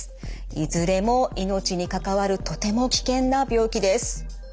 いずれも命に関わるとても危険な病気です。